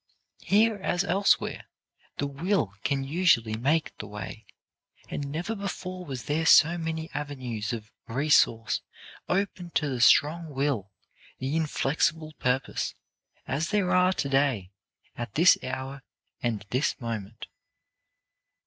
Here, as elsewhere, the will can usually make the way, and never before was there so many avenues of resource open to the strong will, the inflexible purpose, as there are to day at this hour and this moment.